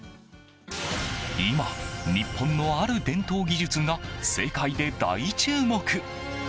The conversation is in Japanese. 今、日本のある伝統技術が世界で大注目。